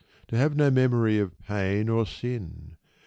To have no memory of pain or sin